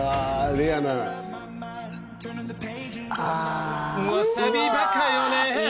レアなわさびバカよね